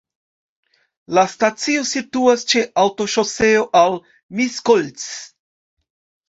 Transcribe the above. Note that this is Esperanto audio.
La stacio situas ĉe aŭtoŝoseo al Miskolc.